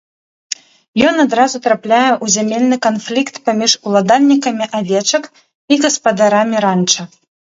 Ён адразу трапляе ў зямельны канфлікт паміж уладальнікамі авечак і гаспадарамі ранча.